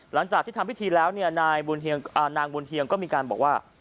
หลังจากที่ทำพิธีแล้วเนี่ยนายนางบุญเฮียงก็มีการบอกว่า